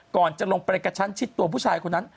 ก่อนจะลงไปกระชั้นชิดตัวผู้ชายคนนั้น